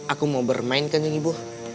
aku mau bermain kan ibu